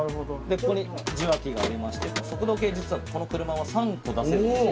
ここに受話器がありまして、速度計、実はこの車は３個出せるんです。